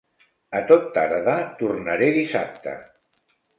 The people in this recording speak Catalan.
A tot tardar tornaré dissabte.